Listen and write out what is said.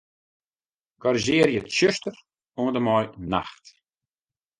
Korrizjearje 'tsjuster' oant en mei 'nacht'.